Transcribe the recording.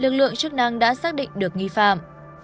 công an đã xác định được nghi phạm